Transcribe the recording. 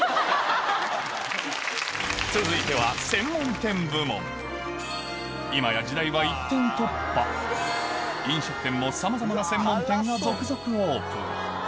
続いては今や時代は一点突破飲食店もさまざまな専門店が続々オープン